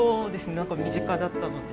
何か身近だったので。